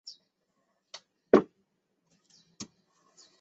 它是一个依赖于完美洗牌互联算法的非直连拓扑。